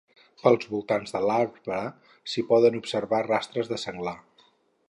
Pels voltants de l'arbre s'hi poden observar rastres de senglar.